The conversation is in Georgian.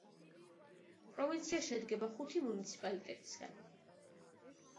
პროვინცია შედგება ხუთი მუნიციპალიტეტისაგან.